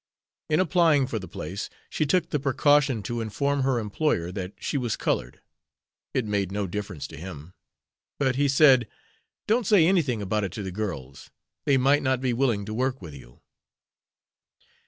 In applying for the place, she took the precaution to inform her employer that she was colored. It made no difference to him; but he said: "Don't say anything about it to the girls. They might not be willing to work with you."